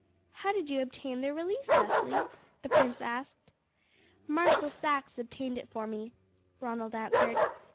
"How did you obtain their release, Leslie?" the prince asked. "Marshal Saxe obtained it for me," Ronald answered.